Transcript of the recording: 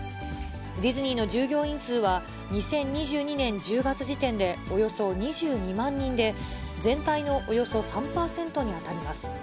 ディズニーの従業員数は、２０２２年１０月時点で、およそ２２万人で、全体のおよそ３％に当たります。